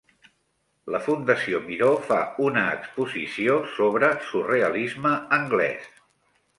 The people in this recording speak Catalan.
La Fundació Miró fa una exposició sobre surrealisme anglès